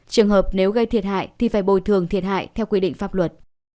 trường hợp nếu gây thiệt hại thì phải bồi thường thiệt hại theo quy định pháp luật